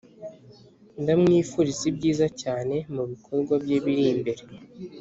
ndamwifuriza ibyiza cyane mubikorwa bye biri imbere.